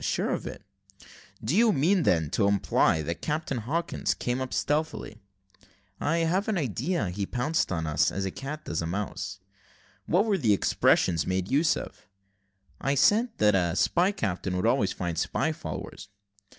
"Sure of it." "Do you mean, then, to imply that Captain Hawkins came up stealthily?" "I have an idea he pounced upon us, as a cat does a mouse." "What were the expressions made use of?" "I said that a spy captain would always find spy followers."